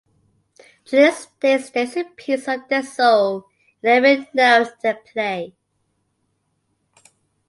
Julian states, There is a piece of their soul in every note they play.